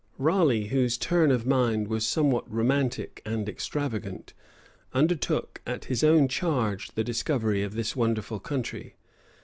Raleigh, whose turn of mind was somewhat romantic and extravagant, undertook at his own charge the discovery of this wonderful country.